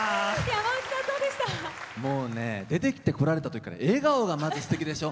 もう出てきたこられたときから笑顔がまず、すてきでしょ。